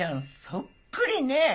そっくりね。